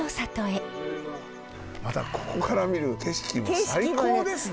またここから見る景色も最高ですね。